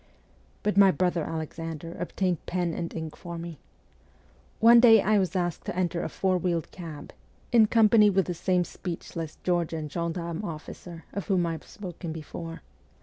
But my brother Alexander obtained pen and ink for me. One day I was asked to enter a four wheeled cab, in company with the same speechless Georgian gendarme officer of whom I have spoken before.